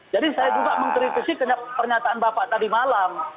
jadi saya juga mengeritisi pernyataan bapak tadi malam